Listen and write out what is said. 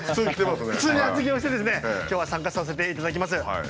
普通に厚着をして今日は参加させていただきます。